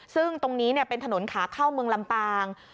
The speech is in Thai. ซึ่งตรงนี้เป็นถนนขาเข้าเมืองลำปาง